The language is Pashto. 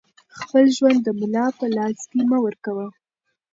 خپل ژوند د ملا په لاس کې مه ورکوه